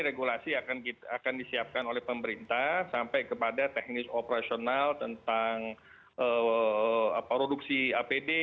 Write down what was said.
regulasi akan disiapkan oleh pemerintah sampai kepada teknis operasional tentang produksi apd